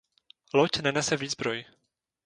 Loď nenese výzbroj.